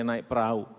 jangan naik perahu